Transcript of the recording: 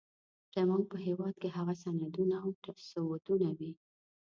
زموږ په تاريخ کې هغه سندونه او ثبوتونه وي.